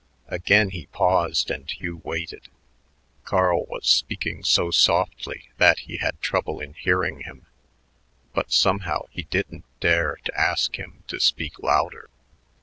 Again he paused, and Hugh waited. Carl was speaking so softly that he had trouble in hearing him, but somehow he didn't dare to ask him to speak louder.